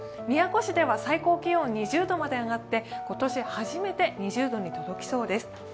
宮古市では最高気温２０度まで上がって今年初めて２０度に届きそうです。